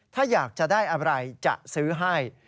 ถ้าอยากจะได้อะไรจะซื้อให้